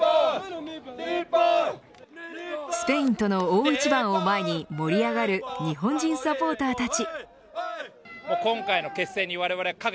スペインとの大一番を前に盛り上がる日本人サポーターたち。